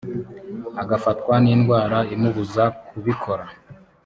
agafatwa n’indwara imubuza kubikora